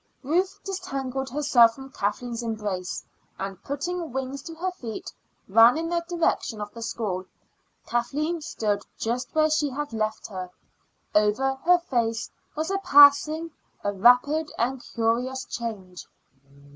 Ruth disentangled herself from Kathleen's embrace, and putting wings to her feet, ran in the direction of the school. Kathleen stood just where she had left her; over her face was passing a rapid and curious change.